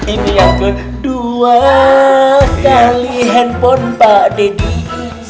ini yang kedua kali handphone pak de diisi